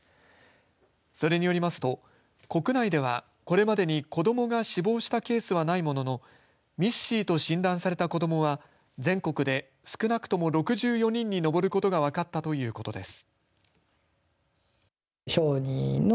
それによりますと国内ではこれまでに子どもが死亡したケースはないもののＭＩＳ‐Ｃと診断された子どもは全国で少なくとも６４人に上ることが分かったということです。